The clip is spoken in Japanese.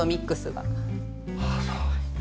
ああそう。